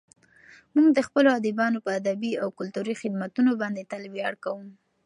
موږ د خپلو ادیبانو په ادبي او کلتوري خدمتونو باندې تل ویاړ کوو.